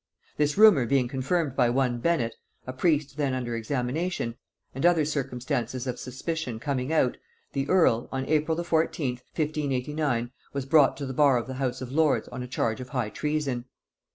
This rumor being confirmed by one Bennet, a priest then under examination, and other circumstances of suspicion coming out, the earl, on April the 14th, 1589, was brought to the bar of the house of lords on a charge of high treason.